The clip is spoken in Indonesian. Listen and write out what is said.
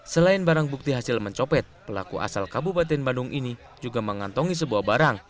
selain barang bukti hasil mencopet pelaku asal kabupaten bandung ini juga mengantongi sebuah barang